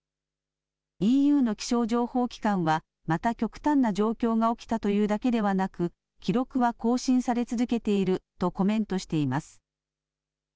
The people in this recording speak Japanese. ＥＵの気象情報機関はまた極端な状況が起きたというだけではなく記録は更新され続けているとコメントしています。